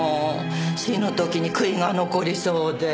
死ぬ時に悔いが残りそうで。